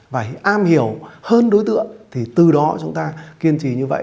và am hiểu hơn đối tượng thì từ đó chúng ta kiên trì như vậy